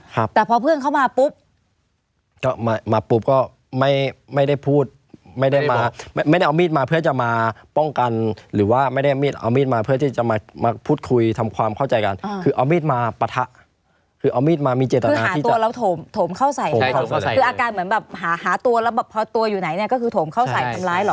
คืออาการเหมือนแบบหาตัวแล้วพอตัวอยู่ไหนก็คือโถมเข้าใส่ทำร้ายหรอ